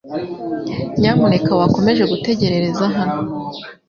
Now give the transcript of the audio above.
Nyamuneka wakomeje gutegereza hano .